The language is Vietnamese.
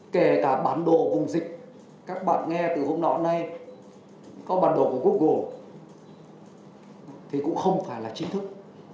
kể cả bản đồ vùng dịch các bạn nghe từ hôm nay có bản đồ của google thì cũng không phải là chính thức